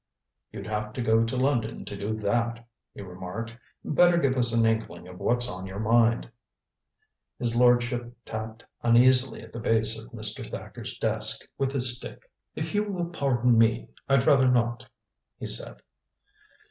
"You'd have to go to London to do that," he remarked. "Better give us an inkling of what's on your mind." His lordship tapped uneasily at the base of Mr. Thacker's desk with his stick. "If you will pardon me I'd rather not," he said.